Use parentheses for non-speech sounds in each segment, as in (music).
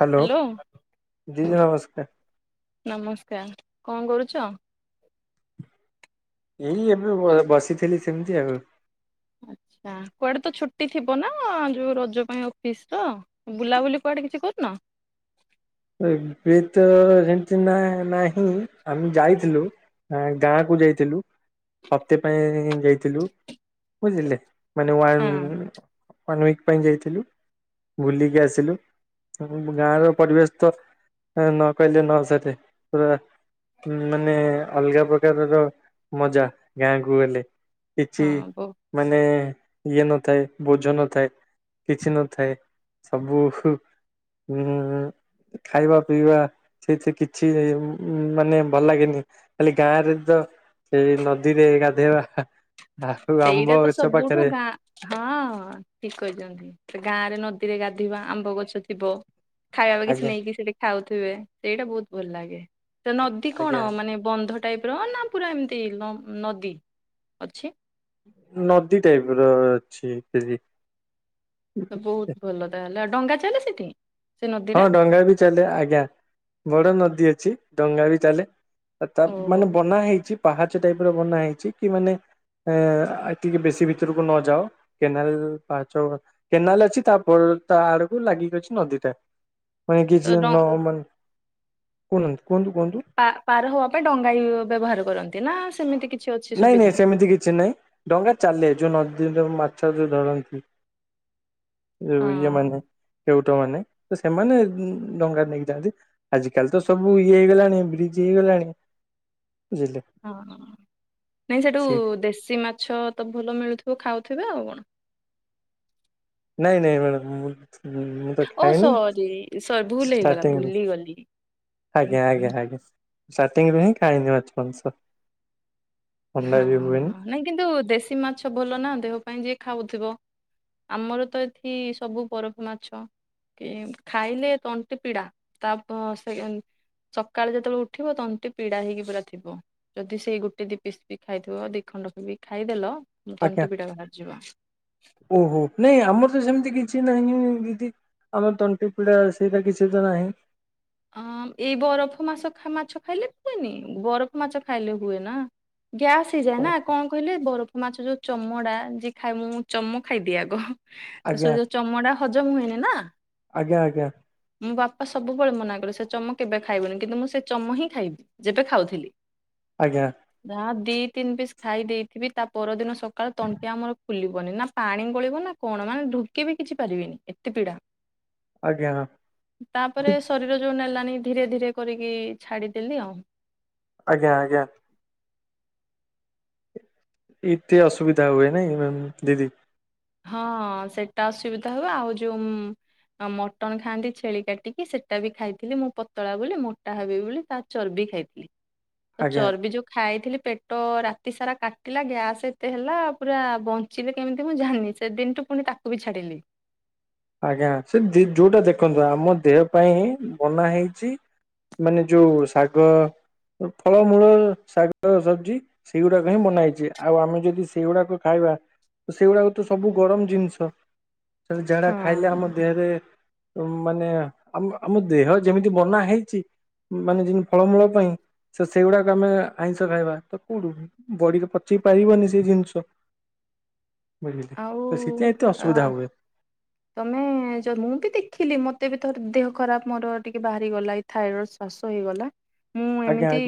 Hello hello ଦିଦି ନମସ୍କାର। ନମସ୍କାର କଣ କରୁଛ? ଏଇ ଏବେ ବସିଥିଲି ସେମିତି ଆଉ। ଆଚ୍ଛା କୁଆଡେ ତ ଛୁଟି ଥିବ ନା ଯୋଉ ରଜ ପାଇଁ ଅଫିସର? ବୁଲାବୁଲି କୁଆଡେ କିଛି କରିନ? ଏବେ ତ ଏମିତି ନା ନାହିଁ ଆମେ ଯାଇଥିଲୁ ଆ ଗାଁ କୁ ଯାଇଥିଲୁ ହପ୍ତେ ପାଇଁ ଯାଇଥିଲୁ ବୁଝିଲେ? ମାନେ ହଁ ୱାନ୍ ୱାନ୍ ୱିକ ପାଇଁ ଯାଇଥିଲୁ ବୁଲିକି ଆସିଲୁ ଆମ ଗାଁର ପରିବେଶ ତ ନ କହିଲ ନସରେ ପୁରା ମାନେ ଅଲଗା ପ୍ରକାରର ମଜା ଗାଁକୁ ଗଲେ। ହଁ କିଛି ବୋ ମାନେ ଇଏ ନଥାଏ ବୋଝ ନଥାଏ। କିଛି ନଥାଏ ସବୁ ଉ ଖାଇବା ପିଇବା ସେଇଥିରେ କିଛି ମାନେ ଭଲ ଲାଗେନି ଖାଲି ଗାଁରେ ତ ସେଇ ନଦୀରେ ଗାଧେଇବା ଆଉ ସେଇଟା ଆମ୍ବ ତ ଗଛ ସବୁଠୁ ପାଖରେ ଗାଁ ହଁ ଠିକ କହିଛନ୍ତି ଗାଁ ରେ ନଦୀରେ ଗାଧୋଇବା ଆମ୍ବ ଗଛ ଥିବ। ଖାଇବା କିଛି ଆଜ୍ଞା ନେଇକି ସେଠି ଖାଉଥିବେ ସେଇଟା ବହୁତ ଭଲ ଲାଗେ ତ ନଦୀ ଆଜ୍ଞା କଣ ମାନେ ବନ୍ଧ ଟାଇପ ର ନା ପୁରା ଏମିତି ନଦୀ ଅଛି। ନଦୀ ଟାଇପର ଅଛି ଦିଦି। ତ ବହୁତ ଭଲ ତାହେଲେ ଆଉ ଡଙ୍ଗା ଚାଲେ ସେଠି? ସେ ହଁ ନଦୀରେ ଡଙ୍ଗା ବି ଚାଲେ ଆଜ୍ଞା ବଡ ନଦୀ ଅଛି ଡଙ୍ଗା ବି ଚାଲେ। ତା ଓହୋ ମାନେ ବନା ହେଇଛି ପାହାଚ ଟାଇପ ର ବନା ହେଇଛି କି ମାନେ ଏ ଟିକେ ବେଶୀ ଭିତରକୁ ନ ଯାଅ। କେନାଲ ପାହାଚ କେନାଲ ଅଛି ତାପ ତା ଆଡକୁ ଲାଗିକି ଅଛି ନଦୀଟା। ମାନ ତ କିଛି ଡ ନ କୁନ୍ତି କୁହନ୍ତୁ କୁହନ୍ତୁ? ପା ପାର ହବା ପାଇଁ ଡଙ୍ଗା ବ୍ୟବହାର କରନ୍ତି ନା ସେମିତି କିଛି ଅଛି ସୁବିଧା? ଏମିତି କିଛି ନାହିଁ। ଡଙ୍ଗା ଚାଲେ ଯୋଉ ନଦୀର ମାଛ ଯୋଉ ଧରନ୍ତି। ହଁ ଯୋଉ ଇଏ ମାନେ କେଉଟ ମାନେ ତ ସେମାନେ ଡଙ୍ଗା ନେଇକି ଯାଆନ୍ତି। ଆଜ କାଲି ତ ସବୁ ଇଏ ହେଇଗଲାଣି ବ୍ରିଜ ହେଇଗଲାଣି ବୁଝିଲେ? ହଁ ନାଇଁ ସେଠୁ ସେଇ ଦେଶି ମାଛ ତ ଭଲ ମିଳୁଥିବ ଖାଉଥିବେ ଆଉ କଣ? ନାଇଁ ନାଇଁ ମ୍ୟାଡ଼ାମ ମୁଁ ତ ଓ ଖାଏନି ସରି ସରି ଭୁଲ ହେଇଗଲା ଷ୍ଟାର୍ଟଟିଂରୁ ଭୁଲି ଗଲି। ଆଜ୍ଞା ଆଜ୍ଞା ଆଜ୍ଞା ଷ୍ଟାର୍ଟିଂରେ ହିଁ ଖାଏନି ମାଛ ମାଂସ। ଥଣ୍ଡା ହଁ ବି ହୁଏନି ହଁ ନାଇଁ କିନ୍ତୁ ଦେଶୀ ମାଛ ଭଲ ନା ଦେହ ପାଇଁ ଯିଏ ଖାଉଥିବ? ଆମର ତ ଏଠି ସବୁ ବରଫ ମାଛ। କି ଖାଇଲେ ତଣ୍ଟି ପିଡା ତା ସେ ସକାଳେ ଯେତେବେଳେ ଉଠିବ ତଣ୍ଟି ପିଡା ହେଇକି ପୁରାଥିବ ଯଦି ସେଇ ଗୋଟେ ଦି ପିସ୍ ବି ଖାଇଥିବ ଦି ଖଣ୍ଡ ବି ଖାଇଦେଲ ମୁ ଆଜ୍ଞା। ତଣ୍ଟି ପିଡା ବାହାରି ଯିବ। ଓହୋ ନାଇଁ ଆମର ତ ସେମିତି କିଛି ନାହିଁ ଦିଦି। ଆମ ତଣ୍ଟି ପିିଡା ସେଇରା କିଛି ତ ନାହିଁ। ଅ ଏଇ ବରଫ ମାସ ମାଛ ଖାଇଲେ ହୁଏନି ବରଫ ମାଛ ଖାଇଲେ ହୁଏ ନା? ଗ୍ୟାସ୍ ହେଇଯାଏ ନା କଣ କହିଲେ ବରଫ ମାଛ ଯୋଉ ଚମଡା ଯିଏ ଖାଇ ମୁଁଁ ଚମ ଖାଇଦିଏ ଆଗ। ଆଜ୍ଞା ସ ଯୋଉ ଚମଡା ହଜମ ହୁଏନି ନା? ଆଜ୍ଞା ଆଜ୍ଞା ମୋ ବାପା ସବୁବେଳେ ମନା କ ସେ ଚମ କେବେ ଖାଇବୁନି କିନ୍ତୁ ମୁଁ ସେ ଚମ ହିଁ ଖାଇବି ଯେବେ ଖାଉଥିଲି। ଆଜ୍ଞା। ଯା ଦି ତିନି ପିସ୍ ଖାଇ ଦେଇଥିବି ତା ପରଦିନ ସକାଳ ତଣ୍ଟି ଆମର ଫୁଲିବନି ନା ପାଣି ଗଳିବ ନା କଣ ମାନେ ଢୁକି ବି କିଛି ପାରିବିନି ଏତେ ପୀଡା। ଆଜ୍ଞା। ତାପରେ ଶରୀର ଯୋଉ ନେଲନି ଧୀରେ ଧୀରେ କରିକି ଛାଡିଦେଲି ଆଉ ଆଜ୍ଞା ଆଜ୍ଞା। ଏତେ ଅସୁବିଧା ହୁଏ ନାଇଁ ମାମ ଦିଦି? ହଁ ସେଇଟା ଅସୁବିଧା ହୁଏ ଆଉ ଯୋଉ ଆ ମଟନ ଖାଆନ୍ତି ଛେଳି କାଟିକି ସେଇଟା ବି ଖାଇଥିଲି ମୁଁ ପତଳା ବୋଲି ମୋଟା ହେବି ବୋଲି ତା ଚର୍ବି ଖାଇଥିଲି ତ ଆଜ୍ଞା ଚର୍ବି ଯୋଉ ଖାଇଥିଲି ପେଟ ରାତି ସାରା କାଟିଲା ଗ୍ୟାସ୍ ଏତେ ହେଲା ପୁରା ବଞ୍ଚିଲି କେମିତି ମୁଁ ଜାନନି ସେ ଦିନୁଠୁ ପୁଣି ତାକୁ ବି ଛାଡିଲି। ଆଜ୍ଞା ସେ ଯୋଉଟା ଦେଖନ୍ତୁ ଆମ ଦେହ ପାଇଁ ହିଁ ବନା ହେଇଛି ମାନେ ଯୋଉ ଶାଗ ଫଳମୂଳ ଶାଗ ସବଜି ସେଇଗୁଡାକ ହିଁ ବନାହେଇଛି ଆଉ ଆମେ ଯଦି ସେଇଗୁଡାକ ଖାଇବା ସେଏ ଗୁଡାକ ତ ସବୁ ଗରମ ଜିନିଷ। ଯାହା ଖାଇଲେ ଆମ ହଁ। ଦେହରେ ମାନେ ଆମ ଆମ ଦେହ ଯେମିତି ବନା ହେଇଛି। ମାନେ ଯେମିତି ଫଳମୂଳ ପାଇଁ। ସେ ସେଇଗୁଡାକ ଆମେ ଆଇଁଷ ଖାଇବା ତ କୋଉଠୁ ବଡିିକି ପଚେଇ ପାରିବନି ସେଇ ଜିନିଷ। ବୁଝିଲେ ଆଉ ତ ସେଥିପାଇଁ ଏତେ ଅ। ଅସୁବିଧା ହୁଏ ତମେ ଯ ମୁଁ ବି ଦେଖିଲି ମତେ ବି ଥର ଦେହ ଖରାପ ମୋର ଟିକେ ବାହାରି ଗଲା ଏ। ଥାଇରଏଡ଼ ଶ୍ଵାସ ହେଇଗଲା ମୁଁ ଆଜ୍ଞା ଏମିତି।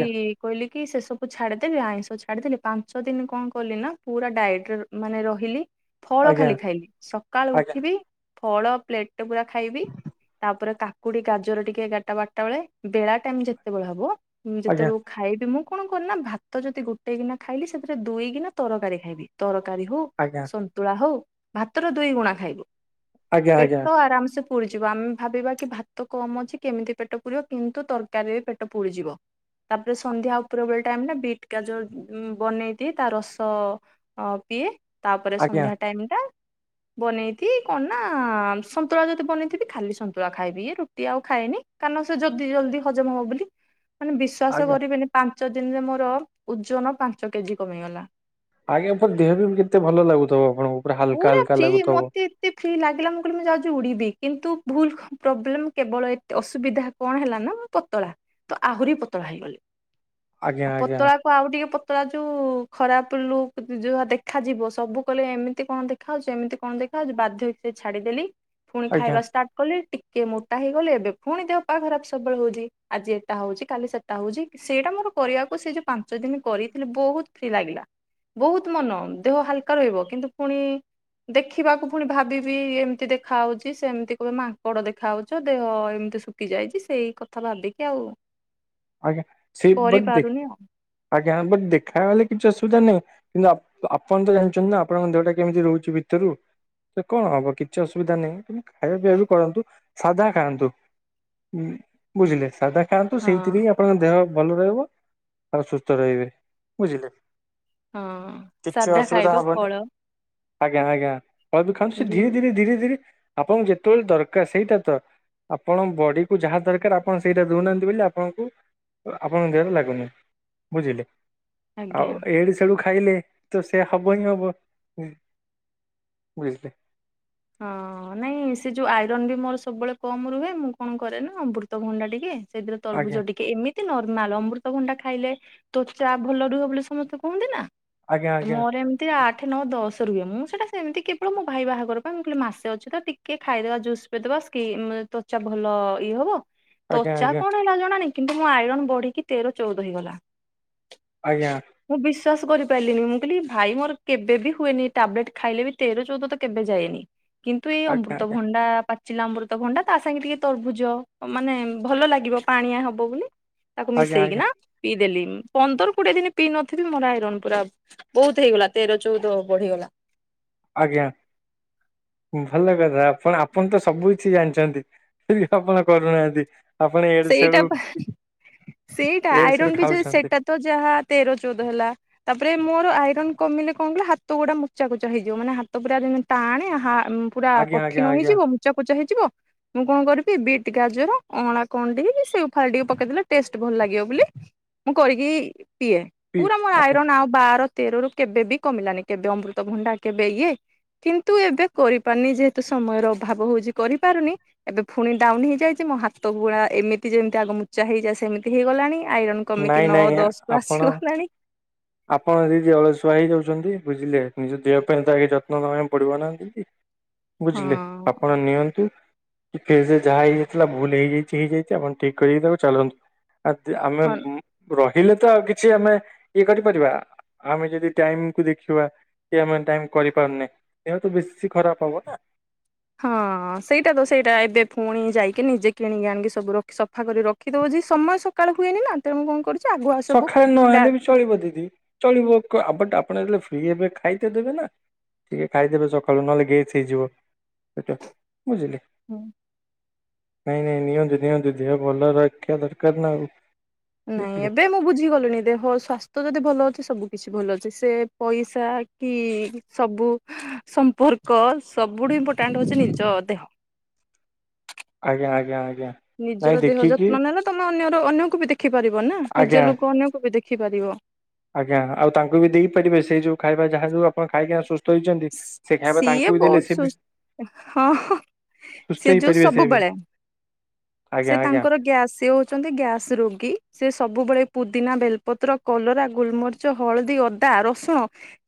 କହିଲି କି ସେ ସବୁ ଛାଡ଼ିଦେ ଆଇଁଷ ଛାଡ଼ିଦେଲି ପାଞ୍ଚ ଦିନ କଣ କଲି ନା ପୁରା ଡାଏଟ୍ ରେ ମାନେ ରହିଲି। ଫଳ ଆଜ୍ଞା ଖାଲି ଖାଇଲି ସକାଳୁ ଆଜ୍ଞା ଉଠିବି ଫଳ ପ୍ଲେଟ ପୁରା ଖାଇବି ତାପରେ କା। କୁଡି ଗାଜର ଟିକେ ଏଗାରଟା ବାରଟା ବେଳେ ବେଳା ଟାଇମ୍ ଯେତେବେଳେ ହବ ଆଜ୍ଞା ଯେତେବେଳେ। ଖାଇବି ମୁଁ କଣ କରେନା ଭାତ ଯଦି ଗୋଟେ ଗିନା ଖାଇଲି ସେଥିରେ ଦୁଇଗିନା ତରକାରୀ ଖାଇବି ତରକାରୀ ହଉ। ଆଜ୍ଞା। ସତୁଳା ହଉ ଭାତର ଦୁଇ ଗୁଣା ଖାଇବି ଆଜ୍ଞା ଆଜ୍ଞା ପେଟ ଆରାମ୍ ସେ। ପୁଡିଯିବ ଆମେ ଭାବିବା କି ଭାତ କମ୍ ଅଛି କେମିତି ପେଟ ପୁଡିବ କିନ୍ତୁ ତରକାରୀରେ ପେଟ ପୁଡିଯିବ। ତାପରେ ସନ୍ଧ୍ୟା ଉପର ବେଳେ ଟାଇମ୍ ନା ବିଟ୍ କାଜ ବନେଇଦି ତା ରସ। ଅ ପିଏ ତାପରେ ଆଜ୍ଞା ସନ୍ଧ୍ୟା ଟାଇମ୍ ଟା। ବନେଇି କଣ ନା ସନ୍ତୁଳା ଯଦି ବନେଇଥିବି ଖାଲି ସନ୍ତୁଳା ଖାଇବି ଇ ରୁଟି। ଆଉ ଖାଏନି କାରଣ ସେ ଜଲଦି ଜଲଦି ହଜମ ହବ ବୋଲି।। ମାନେ ବିଶ୍ଵାସ ଆଜ୍ଞା ଆଜ୍ଞା କରିବେନି ପାଞ୍ଚ ଦିନରେ ମୋର ଉଜନ ପାଞ୍ଚ କେଜି କମିଗଲା। ଆଜ୍ଞା ପର ଦେହ ବି କେତେ ଭଲ ଲାଗୁଥିବ ଆପଣଙ୍କୁ ପୁରା ହାଲକା ହାଲକା ଲାଗୁଥିବ। ମିତି ଫ୍ରି ଲାଗିଲା ମୁଁ କହିଲି ମୁଁ ଯାଉଛି ଉଡିବି କିନ୍ତୁ ଭୁଲ ପ୍ରୋବ୍ଲେମ କେବଳ ଏତେ ଅସୁବିଧା କଣ ହେଲା ନା। ପତଳା ତ ଆହୁରି ପତଳା ହେଇଗଲି ଆଜ୍ଞା ଆଉ ଆଜ୍ଞା ପତଳା।। ଆଉ ଟିକେ ପତଳା ଯୋଉ ଖରାପ ଲୁ ଯହା ଦେଖାଯିବ ସବୁ କଲେ ଏମିତି। ଏମିତି କଣ ଦେଖାଉଛୁ ଏମିତି କଣ ଦେଖାଯାଉଛୁ ବାଧ୍ୟ ହେକି ଛାଡିଦେଲି ପୁଣି ଆଜ୍ଞା ଖାଇବା ଷ୍ଟାର୍ଟ କଲିି। କିଏ ମୋଟା ହେଇଗଲେ ଏବେ ପୁଣି ଦେହ ପା ଖରାପ ସବୁବେଳେ ହଉଛି ଆଜି ଏଟା ହଉଛି କାଲି ସେଟା ହଉଛି ‌। ସେଇଟା ମୋର କରିବାକୁ ସେ ଯୋଉ ପାଞ୍ଚ ଦିନ କରିଥିଲି ବୋହୁତ୍ ଫ୍ରି ଲାଗିଲା। ବୋହୁତ୍ ମନ ଦେହ ହାଲକା ରହିବ କିନ୍ତୁ ପୁଣି। ଦେଖିବାକୁ ପୁଣି ଭାବିବି ଏମିତି ଦେଖା ହଉଛି ସେ ଏମିତି କିବେ ମାଙ୍କଡ ଦେଖା ହଉଛ ଦେହ ଏମିତି ିସୁକି ଯାଇଛି ସେଇ କଥା ଭାବିକି ଆଉ ଆଜ୍ଞା ସେ ବ କରିପାରୁନି ଆଉ। ଆଜ୍ଞା ବଟ ଦେଖା ବଲେ କିଛି ଅସୁବିଧା ନାହିଁ। କିନ୍ତୁ ଆପଣ ତ ଜାଣିଛନ୍ତି ନା ଆପଣଙ୍କ ଦେହଟା କେମିତି ରହୁଛି ଭିତରୁ? ସେ କଣ ହବ କିଛି ଅସୁବିଧା ନାହିଁ କିନ୍ତୁ ଖାଇବା ପିଇବା ବି କରନ୍ତୁ ସାଧା ଖାଆନ୍ତୁ। ହଁ ବୁଝିଲେ ସଦା ଖାଆନ୍ତୁ ହଁ ସେଇଥିରେ ହିଁ ଆପଣଙ୍କ ଦେହ ଭଲ ରହିବ ଆଉ ସୁସ୍ଥ ରହିବେ ବୁଝିଲେ ହଁ କିଛି ସାଧା ଅସୁବିଧା ଖାଇବ ହବନି ଫଳ ଆଜ୍ଞା ଆଜ୍ଞା ବି ଖୁ ସେ ଯୋଉ ଧୀରେ ଧୀରେ ଧୀରେ ଧୀରେ ଆପଣଙ୍କୁ ଯେତେବେଳେ ଦରକାର ସେଇଟା ତ ଆପଣ ବଡି କୁ ଯାହା ଦରକାର ଆପଣ ସେଇଟା ଦଉନାହାନ୍ତି ବୋଲି ଆପଣଙ୍କୁ ଆପଣଙ୍କ ଦେହରେ ଲାଗୁନି ବୁଝିଲେ? ଆଉ ଆଜ୍ଞା। ଏଡୁ ସେଆଡ ଖାଇଲେ ତ ସେୟା ହବ ହିଁ ହବ ବୁଝିଲେ? ହଁ ନାଇଁ ସେ ଯୋଉ ଆଇରନ୍ ବି ମୋର ସବୁବେଳେ କମ୍ ରୁହେ ମୁଁ କଣ କରେ ନା ଅମୃତଭଣ୍ଡା ଟିକେ ସେଥିରେ ଆଜ୍ଞା ତରଭୁଜ ଟିକେ ଏମି ତି ନର୍ମାଲ ଅମୃତଭଣ୍ଡା ଖାଇଲେ ତୋଚା ଭଲ ରୁହେ ବୋଲି ସମସ୍ତେ କୁହନ୍ତି ନା ଆଜ୍ଞା ଆଜ୍ଞା ମୋର ଏମିତି ଆଠ ନଅ ଦଶ ରୁହେ ମୁଁ ସେଟା ସେମିତି କେବଳ ମୋ ଭାଇ ବାହାଘର ମୁଁ କହିଲି ମାସେ ଅଛି ତ ଟିକେ ଖାଇଦବା ଜୁସ୍ ପେଦବା କି ତ୍ୱଚା ଭଲ ଇଏ ହବ। ଆଜ୍ଞା ତ୍ୱଚା ଆଜ୍ଞା କଣ ହେଲା ଜଣା ନାହିଁ। କିନ୍ତୁ ମୋ ଆଇରନ ବଢିକି ତେର ଚଉଦ ହେଇଗଲା। ଆଜ୍ଞା। ମୁଁ ବିଶ୍ଵାସ କରିପାରିଲିନି ମୁଁ କହିଲି ଭାଇ ମୋର କେବେ ବିି ହୁଏନି ଟାବ୍ଲେଟ ଖାଇଲେ ବି ତେର ଚଉଦ ତ କେବେ ଯାଏନି। କିନ୍ତୁ ଏଇ ଆଜ୍ଞା ଅମୃତ ଭଣ୍ଡା ପା ଚିଲା ଅମୃତ ଭଣ୍ଡା ତା ସାଙ୍ଗେ ଟିକେ ତରଭୁଜ ମାନେ ଭଲ ଲାଗିବ ପାଣିଆ ହବ ବୋଲି। ତାକୁ ଆଜ୍ଞା ଆଜ୍ଞା ମିଶେଇକି ଆଜ୍ଞା ନା ପିଇଦେଲି ପନ୍ଦର କୋଡିଏ ଦିନ ପିଇ ନଥିବି ମୋର ଆଇରନ ପୁରା ବହୁତ ହେଇଗଲା ତେର ଚଉଦ ବଢିଗଲା। ଆଜ୍ଞା ଭଲ କଥା ଆପଣ ଆପଣ ତ ସବୁ କିଛି ଜାଣିଛନ୍ତି। (unintelligible) କରୁନାହାନ୍ତି। ଆପଣ ଏଡୁ ସେଇଟା ସେଡୁ ପା ସେଇଟା ଏଡୁ ସେଡୁ ଆଇରନ୍ ବି ଯେ ଖାଉଛନ୍ତି ସେଇଟା। ତ ଯାହା ତେର ଚଉଦ ହେଲା। ତାପରେ ମୋର ଆଇରନ୍ କମିଲେ କଣ କିଲ ହାତ ଗୁଡା ମୁଚା କଚା ହେଇଯିବ ମାନେ ହାତ ପୁରା ଟାଣେ ହା ପୁରା ଆଜ୍ଞା ଆଜ୍ଞା କଠିନ ଆଜ୍ଞା ହେଇଯିବ ମୁଚା କୋଚା ହେଇଯିବ ମୁଁ କଣ କରିବି ବିଟ୍ ଗାଜର ଅଁଳା କଣ୍ଡେଇକି ସେଓ ଫାଳେ ଟିକେ ପକେଇଦେଲେ ଟେଷ୍ଟ ଭଲ ଲାଗିବ ବୋଲି ମୁଁ କରିକିଇ ପିଏ। ପି ପୁରା ମୋର ଆଜ୍ଞା ଆଇରନ୍ ଆଉ ବାର ତେରରୁ କେବେ ବି କମିଲାନି କେବେ ଅମୃତଭଣ୍ଡା କେବେ ଇଏ। କିନ୍ତୁ ଏବେ କରିପାରୁନି ଯେହେତୁ ସମୟର ଅଭାବ ହଉଛି କରିପାରୁନି। ଏବେ ପୁଣି ଡାଉନ ହେଇଯାଇଛି ମୋ ହାତ ଗୁଡା ଏମିତି ଯେମିତି ଆଗ ମୁଚା ହେଇଯାଏ ସେମିତି ହେଇଗଲାଣି। ଆଇରନ୍ କମିକି ନାଇଁ ନଅ ନାଇଁ ଦଶ କୁ ଆପଣ ଆସିଗଲାଣି। ଆପଣ ଯିଦି ଅଳସୁଆ ହେଇଯାଉଛନ୍ତି ବୁଝିଲେ ନିଜ ଦେହ ପାଇଁ ତାେ ଯତ୍ନ ନବା ପାଇଁ ପଡିବ ନା ନା (unintelligible) ହଁ। ବୁଝିଲେ ଆପଣ ନିଅନ୍ତୁ। କି ଫେଜରେ ଯାହା ହେଇଯାଇଥିଲା ଭୁଲ ହେଇଯାଇଛି ହେଇଯାଇଛି ଆପଣ ଠିକ୍ କରିିକି ତାକୁ ଚାଲନ୍ତୁ। ଆଜି ଆମେ ହଁ ରହିଲେ ତ ଆଉ କିଛି ଆମେ ଇଏ କରିପାରିବା। ଆମେ ଯଦି ଟାଇମକୁୁ ଦେଖିବା। କି ଆମେ ଟାଇମ କରିପାରୁନେ ଦେହତ ବେଶୀ ଖରାପ ହବ ନା। ହଁ ସେଇଟା ତ ସେଇଟା ଏବେ ପୁଣି ଯାଇକି ନିଜେ କିଣିକି ଆଣିକି ସବୁ ରଖି ସଫା କରି ରଖ କି ଦଉଛି ସମୟ ସକାଳ ହୁଏନି ନା ତେଣୁ କଣ କରୁ ସକାଳେ ନହଲେ ବି ଚଳିବ ଦିଦି ଚଳିବ ଆପଟ ଆପଣ ଯେବେ ଫ୍ରି ହେବେ ଖାଇତେ ଦେବେ ନା। ଟିକେ ଖାଇଦେବେ ସକାଳୁ ନହେଲେ ଗେସ୍ ହେଇଯିବ ସେଟା ବୁଝିଲେ? ହୁଁ। ନାଇଁ ନାଇଁ ନିଅନ୍ତୁ ନିଅନ୍ତୁ ଦେହ ଭଲ ରଖିବା ଦରକାର ନା। ନାଇଁ ଏବେ ମୁଁ ବୁଝିଗଲିଣିି ଦେହ ସ୍ୱସ୍ଥ୍ୟ ଯଦି ଭଲ ଅଛି ସବୁ କିଛି ଭଲ ଅଛି ସେ ପଇସା କି ସବୁ ସମ୍ପର୍କ ସବୁଠୁ ଇମ୍ପୋର୍ଟାଣ୍ଟ ହଉଛି ନିଜ ଦେହ। ଆଜ୍ଞା ଆଜ୍ଞା ଆଜ୍ଞା। ନାଇଁ ନିଜର ଦେହ ଦେଖିକି ଯତ୍ନ ନେଲେ ତମେ ଅନ୍ୟର ଅନ୍ୟକୁ ବି ଦେଖିପାରିବ ନା ନିଜ ଆଜ୍ଞା ଲୋକ ଅନ୍ୟକୁ ବି ଦେଖିପାରିବ। ଆଜ୍ଞା ଆଉ ତାଙ୍କୁ ବି ଦେଇପାରିବେ ସେଇ ଯୋଉ ଖାଇବା ଯାହା ଯଉ ଆପଣ ଖାଇକି ଆସୁ ଶୋଇଛନ୍ତି ସେ ଖାଇବା ସିଏ ତାଙ୍କୁ ବି ଦେଲେ ବହୁତ ସେ ବି ସୁସ୍ଥ ହଁ ସିଏ ସୁସ୍ଥ ହେଇ ଯୋଉ ପାରିବେ ସେ ବି। ସବୁବେଳେ ଆଜ୍ଞା ସେ ଆଜ୍ଞା ତାଙ୍କର ଗ୍ୟାସ ସେ ହୋ ହୋଉ ଛନ୍ତି ଗ୍ୟାସ ରୋଗୀ ସେ ସବୁବେଳେ ପୁଦିନା ବେଲପତ୍ର କଲରା ଗୁଲମରିଚ ହଳଦୀ ଅଦା ରସୁଣ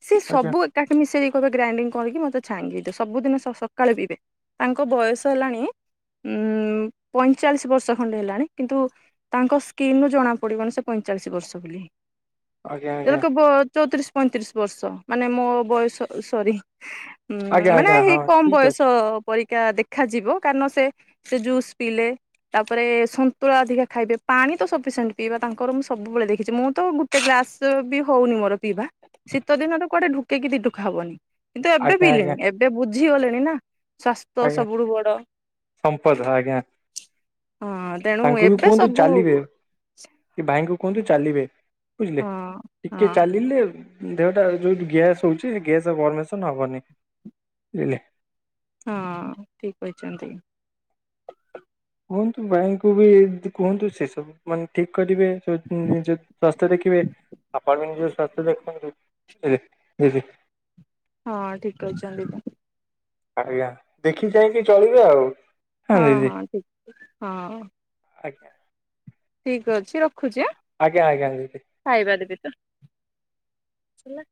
ସିଏ ଆଜ୍ଞା। ସବୁ ତାକୁ ମିଶେଇକି କହିବେ ଗ୍ରାଇଣ୍ଡିଙ୍ଗ୍ କରିକି ମତେ ଛାଣିକି ଦେ ସବୁଦିନେ ସକାଳେ ପିବେ। ତାଙ୍କ ବୟସ ହେଲାଣି ଉଁ ପଇଁଚାଳିଶ ବର୍ଷ ଖଣ୍ଡେ ହେଲାଣି କିନ୍ତୁ ତାଙ୍କ ସ୍କିିନୁ ଜଣା ପଡିବନି ସେ ପଇଁଚାଳିଶି ବର୍ଷ ବୋଲି। ଆଜ୍ଞା ଆଜ୍ଞା ଏଵେକ ଚଉତିରିଶ ପଇଁତିରିଶ ବର୍ଷ ମାନେ ମୋ ବୟସ ସରି। ଆଜ୍ଞା ହଁ ମାନେ ଆଜ୍ଞା ହେଇ ହଁ କମ ଠିକ ବୟସ ଅଛି ପରିକା ଦେଖାଯିବ କାରଣ ସେ ଯୁସ୍ ପିଇଲେ। ତାପରେ ସନ୍ତୁଳା ଅଧିକା ଖାଇବେ ପାଣି ତ ସଫିସିଣ୍ଟ୍ ପିଇବା ତାଙ୍କର ମୁଁ ସବୁବେଳେ ଦେଖିଛି ମୁଁ ତ ଗୁ ଏତେ ଗ୍ରାସ ବି ହଉନି ମୋର ପିଇବା ଶୀତ ଦିନ ର କୁଆଡେ ଢୁ କେ କି ଦିଢୁକା ହବନି। କିନ୍ତୁ ଏବେ ଆଜ୍ଞା ଆଜ୍ଞା ପିଇିଲେଣି ଏବେ ବୁଝିଗଲେଣି ନା ସ୍ଵାସ୍ଥ୍ୟ ସବୁଠୁ ବଡ। ସମ୍ପଧ ଆଜ୍ଞା। ହଁ। ତେଣୁ ତାଙ୍କୁ ବି ଏବେ କୁହନ୍ତୁ ସବୁ ଚାଲିବେ। ସେ ଭାଇଙ୍କୁ କୁହନ୍ତୁ ଚାଲିବେ ବୁଝିଲେ ହଁ ଟିକେ ହଁ ଚାଲିଲେ ଦେହଟା ଯେଉ ଗ୍ୟାସ୍ ହେଉଚି ସେ ଗ୍ୟାସ୍ ବର୍ମେସନ୍ ହବନି ବୁଝିଲେ। ହଁ ଠିକ୍ କହିଛନ୍ତି। କୁହନ୍ତୁ ବ୍ୟାଙ୍କକୁ ବି କୁହନ୍ତୁ ସେ ସବୁ ମାନେ ଠିକ୍ କରିବେ ସେ ଜେ ପ୍ରଶ ସେ ଦେଖିବେ ଆପଣ ବି ନିଜର ସ୍ୱାସ୍ଥ୍ୟ ଦେଖନ୍ତୁ। ହଁ ଠିକକହିଁ ଛନ୍ତିପା। ଆଜ୍ଞା ଦେଖି ଚାହିଁ କି ଚଳିବେ ଆଉ। ହଁ ହଁ ଠିକ୍ ହଁ। ଆଜ୍ଞା। ଠିକ ଅଛି ରଖୁଛି ଆଁ। ଆଜ୍ଞା ଆଜ୍ଞାି ଦି ଦି। ଖାଇବା ଦେବି ତ ହେଲା।